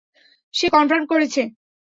সে confirm করেছে।